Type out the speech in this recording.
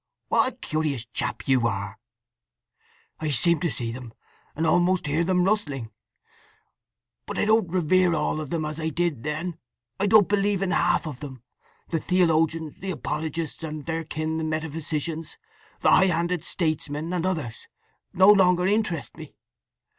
"What a curious chap you are!" "I seem to see them, and almost hear them rustling. But I don't revere all of them as I did then. I don't believe in half of them. The theologians, the apologists, and their kin the metaphysicians, the high handed statesmen, and others, no longer interest me.